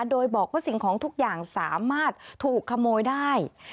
โดยบอกว่าสิ่งของทุกอย่างสามารถถูกขโมยได้